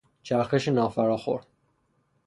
چرخش نافراخور